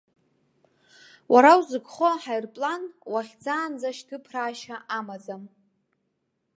Уара узыгхо аҳаирплан, уахьӡаанӡа шьҭыԥраашьа амаӡам.